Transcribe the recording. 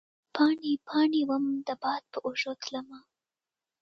پاڼې ، پا ڼې وم د باد په اوږو تلمه